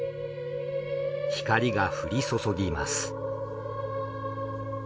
光が降り注ぎます。